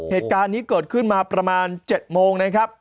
เหตุการณ์นี้เกิดขึ้นมาประมาณ๗โมงนะครับ